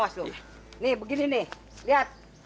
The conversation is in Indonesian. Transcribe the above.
sayang tuh ya